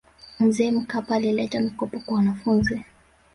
mzee mkapa alileta mikopo kwa wanafunzi